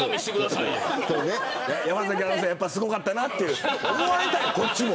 山崎アナウンサーやっぱりすごかったなって思われたいこっちも。